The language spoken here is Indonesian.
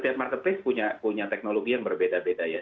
pas pertama kan setiap marketplace punya teknologi yang berbeda beda ya